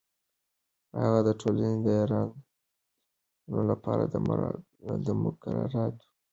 هغه د ټولو ایرانیانو لپاره دموکراتیک راتلونکی غواړي.